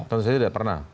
tentu saja tidak pernah